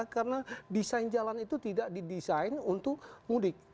karena desain jalan itu tidak didesain untuk mudik